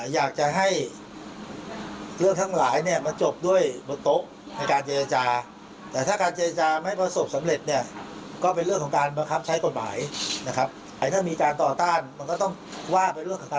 ท่านก็ต้องรับฟังเราในเมื่อเรามีสิทธิ์ได้รับมาอำนาจมา